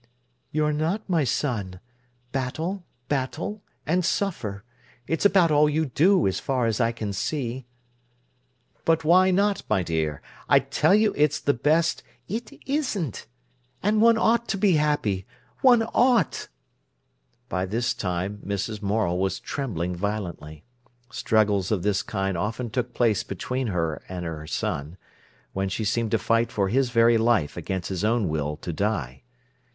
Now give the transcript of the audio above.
"You're not, my son. Battle—battle—and suffer. It's about all you do, as far as I can see." "But why not, my dear? I tell you it's the best—" "It isn't. And one ought to be happy, one ought." By this time Mrs. Morel was trembling violently. Struggles of this kind often took place between her and her son, when she seemed to fight for his very life against his own will to die.